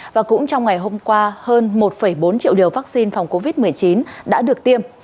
và cũng trong ngày hôm qua hơn một bốn triệu liều vaccine phòng covid một mươi chín đã được tiêm